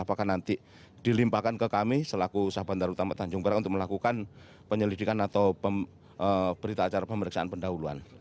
apakah nanti dilimpahkan ke kami selaku sah bandar utama tanjung perak untuk melakukan penyelidikan atau berita acara pemeriksaan pendahuluan